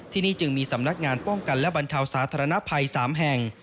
ที่นี่จึงมีสำนักงานป้องกันและบรรเทาสาธารณภัย๓แห่ง